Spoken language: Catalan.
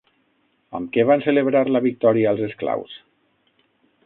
Amb què van celebrar la victòria els esclaus?